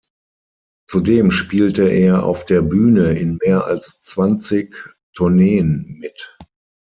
Zudem spielte er auf der Bühne in mehr als zwanzig Tourneen mit.